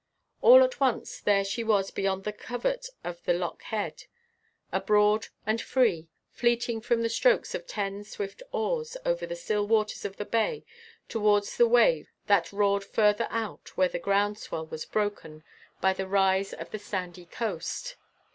All at once there she was beyond the covert of the lock head, abroad and free, fleeting from the strokes of ten swift oars over the still waters of the bay towards the waves that roared further out where the ground swell was broken by the rise of the sandy coast.